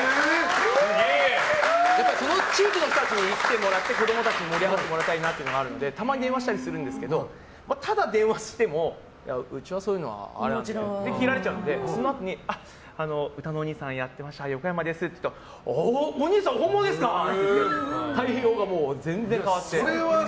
その地域の人たちに来てもらって子供たちに盛り上がってもらいたいなというのがあるのでたまに電話したりするんですけどただ電話しても、うちはそういうのあれなのでって切られちゃうので、そのあとに歌のおにいさんをやってました横山ですって言うとおにいさん本物ですか！って対応が全然変わって。